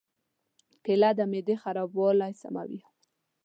کېله د معدې خرابوالی سموي.